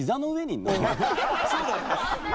そうだね。